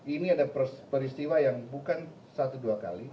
ini ada peristiwa yang bukan satu dua kali